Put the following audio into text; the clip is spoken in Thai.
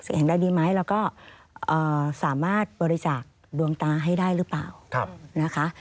เห็นได้ดีไหมแล้วก็สามารถบริจาคดวงตาให้ได้หรือเปล่านะคะ